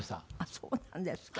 そうなんですか。